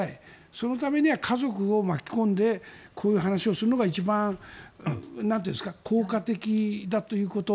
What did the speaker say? そのためには家族を巻き込んでこういう話をするのが一番効果的だということ。